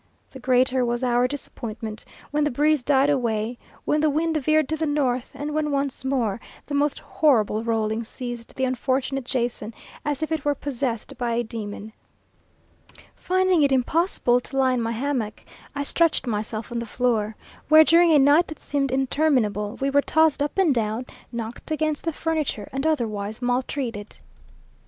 The greater was our disappointment when the breeze died away, when the wind veered to the north, and when once more the most horrible rolling seized the unfortunate Jason, as if it were possessed by a demon. Finding it impossible to lie in my hammock, I stretched myself on the floor; where, during a night that seemed interminable, we were tossed up and down, knocked against the furniture, and otherwise maltreated.